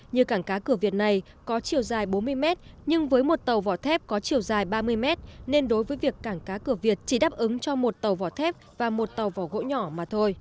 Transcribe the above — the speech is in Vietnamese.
như cảng cá cửa việt này có chiều dài bốn mươi mét nhưng với một tàu vỏ thép có chiều dài ba mươi mét nên đối với việc cảng cá cửa việt chỉ đáp ứng cho một tàu vỏ thép và một tàu vỏ gỗ nhỏ mà thôi